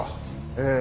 ええ。